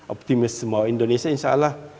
optimis semua indonesia insya allah